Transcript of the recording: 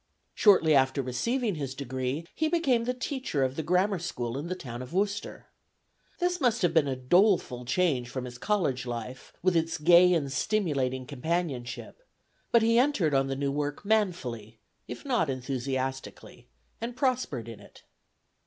Shortly after receiving his degree, he became the teacher of the grammar school in the town of Worcester. This must have been a doleful change from his college life, with its gay and stimulating companionship, but he entered on the new work manfully, if not enthusiastically, and prospered in it.